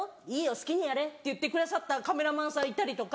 好きにやれ」って言ってくださったカメラマンさんいたりとか。